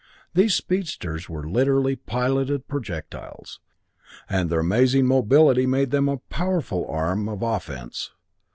These speedsters were literally piloted projectiles, and their amazing mobility made them a powerful arm of offense.